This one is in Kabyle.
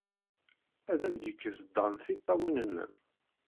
Ad am-d-yekkes Dan tiṭṭawin-nnem!